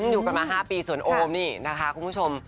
อยู่กันมา๕ปีส่วนโอมนี่นะคะคุณผู้ชม